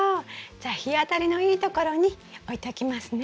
じゃあ日当たりのいいところに置いておきますね。